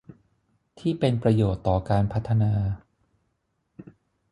ที่เป็นประโยชน์ต่อการพัฒนา